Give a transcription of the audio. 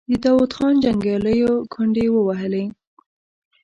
د داود خان جنګياليو ګونډې ووهلې.